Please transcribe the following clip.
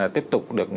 tiếp tục được